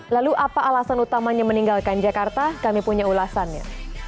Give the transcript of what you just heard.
lalu apa alasan utamanya meninggalkan jakarta kami punya ulasannya